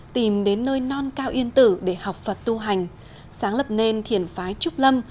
tìm đến nơi non cao yên tử để học phật tu hành sáng lập nên thiền phái trúc lâm